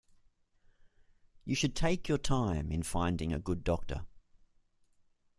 You should take your time in finding a good doctor.